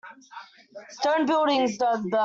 Stone buildings don't burn.